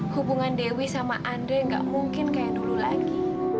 hubungan dewi sama andre nggak mungkin kayak dulu lagi